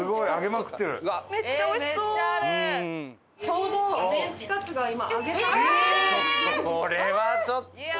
それはちょっと。